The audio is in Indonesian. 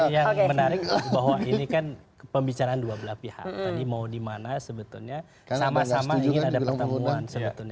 yang menarik bahwa ini kan pembicaraan dua belah pihak tadi mau dimana sebetulnya sama sama ingin ada pertemuan sebetulnya